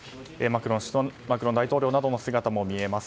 マクロン大統領などの姿も見えます。